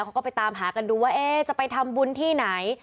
เขาก็ไปตามหากันดูว่าจะไปทำบุญที่ไหน